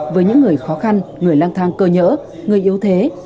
với những người khó khăn người lang thang cơ nhỡ người yếu thế